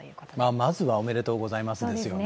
まずは、おめでとうございますですよね。